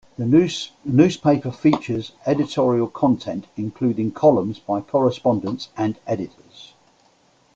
The newspaper features editorial content including columns by correspondents and editors.